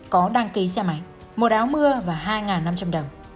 có đăng ký xe máy một áo mưa và hai năm trăm linh đồng